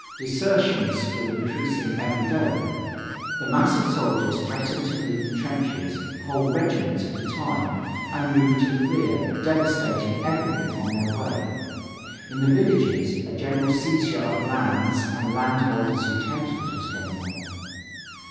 Desertions were increasing every day; the masses of soldiers threatened to leave the trenches, whole regiments at a time, and move to the rear, devastating everything on their way. In the villages, a general seizure of lands and landholders' utensils was going on.